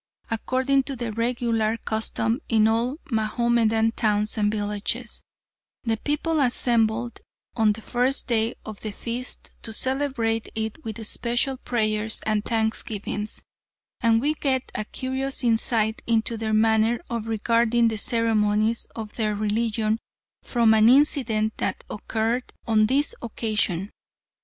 According to the regular custom in all Mahomedan towns and villages, the people assembled on the first day of the feast to celebrate it with special prayers and thanksgivings, and we get a curious insight into their manner of regarding the ceremonies of their religion from an incident that occurred on this occasion.